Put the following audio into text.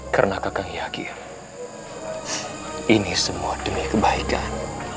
karena kakak yakin ini semua demi kebaikan